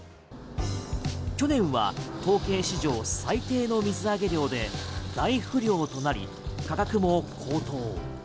去年は統計史上最低の水揚げ量で大不漁となり価格も高騰。